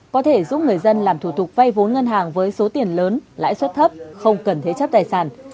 có thể giúp người dân làm thủ tục vay vốn ngân hàng với số tiền lớn lãi suất thấp không cần thế chấp tài sản